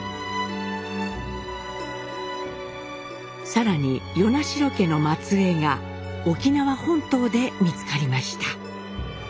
更に与那城家の末えいが沖縄本島で見つかりました。